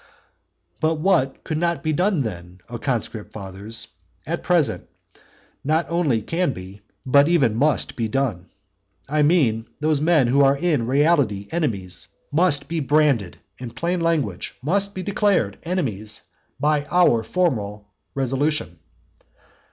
VIII. But what could not be done then, O conscript fathers, at present not only can be, but even must be done. I mean, those men who are in reality enemies must be branded in plain language, must be declared enemies by our formal resolution.